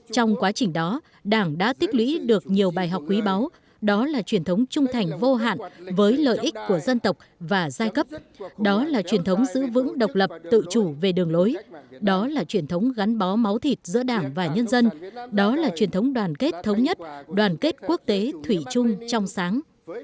trong quá trình đó đảng đã tiết lũy được nhiều bài học quý báo đó là truyền thống trung thành vô hạn với lợi ích của dân tộc và giai cấp đó là truyền thống giữ vững độc lập tự chủ về đường lối đó là truyền thống gắn bó máu thịt giữa đảng và nhân dân đó là truyền thống đoàn kết thống nhất đoàn kết quốc tế thủy chung trong sáng